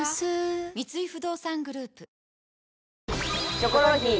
『キョコロヒー』